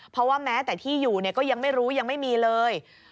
เพราะว่าแม้แต่ที่อยู่ก็ยังไม่รู้ยังไม่มีเลย